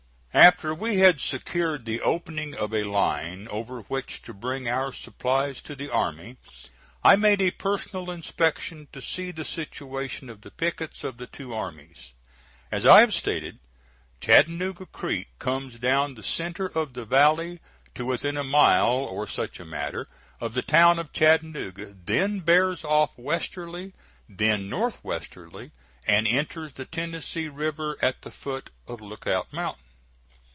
After we had secured the opening of a line over which to bring our supplies to the army, I made a personal inspection to see the situation of the pickets of the two armies. As I have stated, Chattanooga Creek comes down the centre of the valley to within a mile or such a matter of the town of Chattanooga, then bears off westerly, then north westerly, and enters the Tennessee River at the foot of Lookout Mountain.